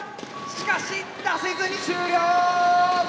しかし出せずに終了！